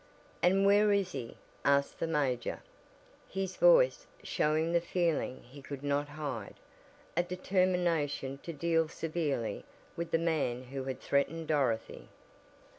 "And where is he?" asked the major, his voice showing the feeling he could not hide, a determination to deal severely with the man who had threatened Dorothy.